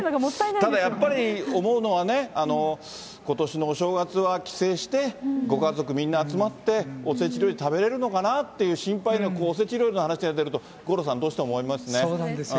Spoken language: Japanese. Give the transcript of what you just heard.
ただやっぱり、思うのはね、ことしのお正月は帰省して、ご家族みんな集まっておせち料理食べれるのかなっていう心配が、おせち料理の話が出ると、五郎さん、そうなんですよね。